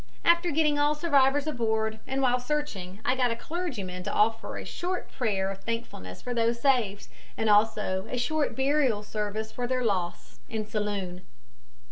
After getting all survivors aboard and while searching I got a clergyman to offer a short prayer of thankfulness for those saved, and also a short burial service for their loss, in saloon.